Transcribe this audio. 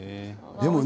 でもね